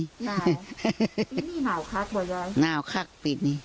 หนาวคักปีนี้